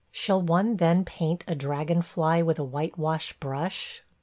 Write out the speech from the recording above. ... Shall one then paint a dragonfly with a whitewash brush?